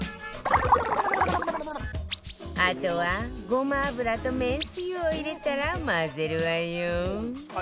あとはごま油とめんつゆを入れたら混ぜるわよ